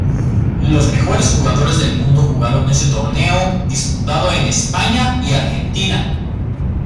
Los mejores jugadores del mundo jugaron ese torneo, disputado en España y Argentina.